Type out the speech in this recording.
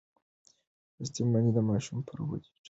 لوستې میندې د ماشوم پر ودې ټینګار کوي.